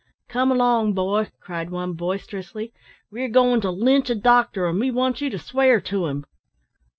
"Come along, boy," cried one, boisterously; "we're goin' to lynch a doctor, an' we want you to swear to him."